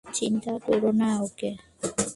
চিন্তা করোনা, ওকে?